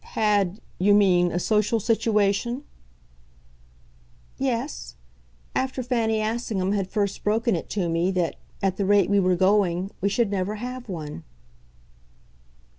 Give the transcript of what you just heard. "Had, you mean a social situation?" "Yes after Fanny Assingham had first broken it to me that, at the rate we were going, we should never have one."